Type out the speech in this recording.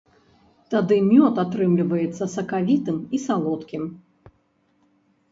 Тады мёд атрымліваецца сакавітым і салодкім.